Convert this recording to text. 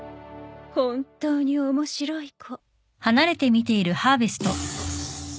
本当に面白い子。